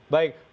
baik pak puji